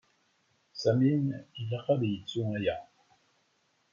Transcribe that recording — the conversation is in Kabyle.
Sami ilaq ad yettu aya.